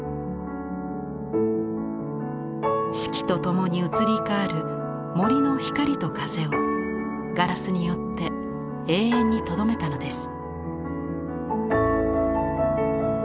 四季と共に移り変わる森の光と風をガラスによって永遠にとどめたのです。